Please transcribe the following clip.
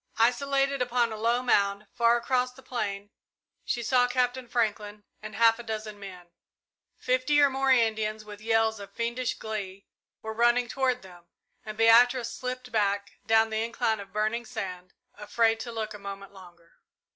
Isolated upon a low mound, far across the plain, she saw Captain Franklin and half a dozen men. Fifty or more Indians, with yells of fiendish glee, were running toward them, and Beatrice slipped back, down the incline of burning sand, afraid to look a moment longer.